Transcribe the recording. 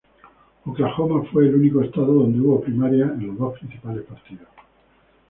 Oklahoma fue el único estado donde hubo primarias en los dos principales partidos.